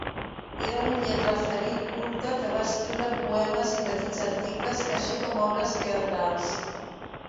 Era un lletraferit culte que va escriure poemes i petits articles, així com obres teatrals.